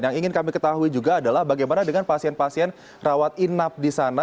yang ingin kami ketahui juga adalah bagaimana dengan pasien pasien rawat inap di sana